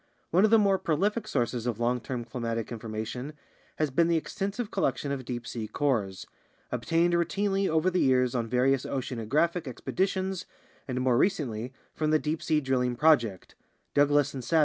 One of the more prolific sources of long term climatic information has been the extensive collection of deep sea cores, obtained routinely over the years on various oceanographic expeditions and more recently from the Deep Sea Drilling Project (Douglas and Savin, 1973; Shackle ton and Kennett: 1974a, 1974b).